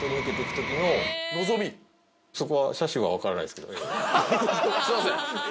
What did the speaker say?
すいません。